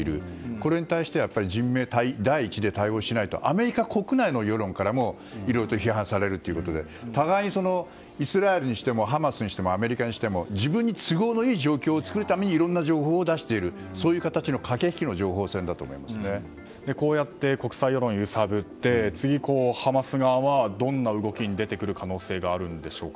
これに対しては人命第一で対応しないとアメリカ国内の世論からもいろいろと批判されるので互いにイスラエルにしてもハマスにしてもアメリカにしても自分に都合のいい状況を作るためにいろんな情報を出しているという形のこうやって国際世論を揺さぶって次、ハマス側はどんな動きに出てくる可能性があるんでしょうか。